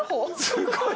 すごい。